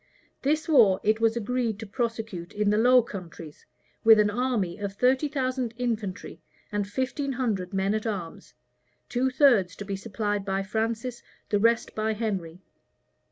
* 30th April. This war it was agreed to prosecute in the Low Countries, with an army of thirty thousand infantry and fifteen hundred men at arms, two thirds to be supplied by Francis, the rest by Henry.